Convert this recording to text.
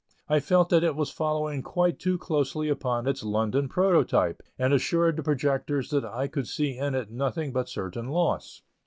I felt that it was following quite too closely upon its London prototype, and assured the projectors that I could see in it nothing but certain loss.